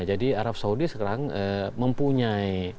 jadi arab saudi sekarang mempunyai